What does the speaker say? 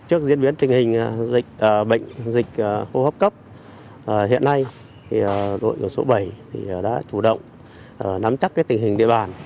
trước diễn biến tình hình dịch bệnh dịch hô hấp cấp hiện nay đội số bảy đã chủ động nắm chắc tình hình địa bàn